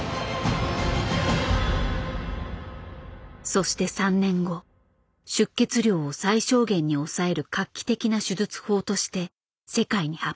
そして３年後出血量を最小限に抑える画期的な手術法として世界に発表した。